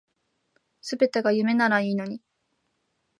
全てが夢ならいいのに